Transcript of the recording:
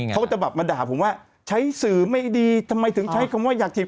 เขาก็จะแบบมาด่าผมว่าใช้สื่อไม่ดีทำไมถึงใช้คำว่าอยากถีบ